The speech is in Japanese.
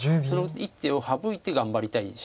その１手を省いて頑張りたい。